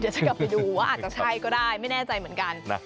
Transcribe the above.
จะกลับไปดูว่าอาจจะใช่ก็ได้ไม่แน่ใจเหมือนกัน